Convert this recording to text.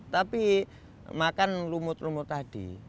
tapi makan lumut lumut tadi